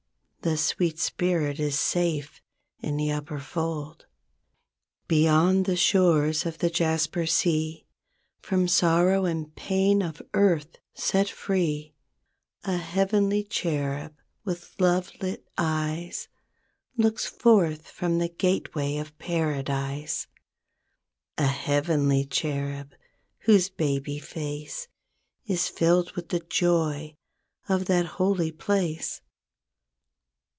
The sweet spirit is safe in the upper fold. Beyond the shores of the Jasper Sea, From sorrow and pain of earth set free, A heavenly cherub with love lit eyes. Looks forth from the gateway of Paradise; A heavenly cherub whose baby face Is filled with the joy of that holy place.